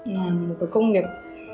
làm một cái công nghiệp